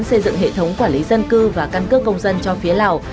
xây dựng hệ thống quản lý dân cư và căn cước công dân cho phía lào